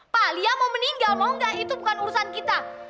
pak lia mau meninggal mau enggak itu bukan urusan kita